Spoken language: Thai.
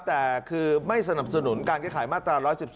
แต่คือไม่สนับสนุนการเกลี่ยงขายมาตรร๑๑๒